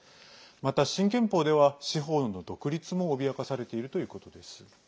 また、新憲法では司法の独立も脅かされているということです。